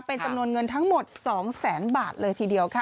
เป็นจำนวนเงินทั้งหมด๒แสนบาทเลยทีเดียวค่ะ